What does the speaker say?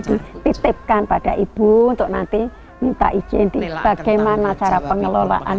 dim pasangkan pada ibu untuk nanti minta izin di bagaimana cara pengelolaan